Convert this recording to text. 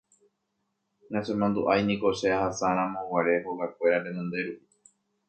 nachemandu'áiniko che ahasáramoguare hogakuéra renonde rupi